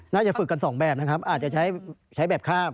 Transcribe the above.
ฝึกกันสองแบบนะครับอาจจะใช้แบบคาบ